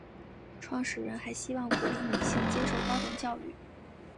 创始人还希望鼓励女性接受高等教育。